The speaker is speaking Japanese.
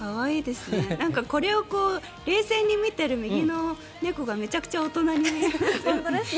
これを冷静に見てる右の猫がめちゃくちゃ大人に見えますね。